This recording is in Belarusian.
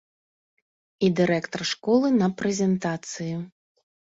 І дырэктар школы на прэзентацыі.